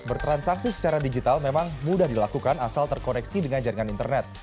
bertransaksi secara digital memang mudah dilakukan asal terkoneksi dengan jaringan internet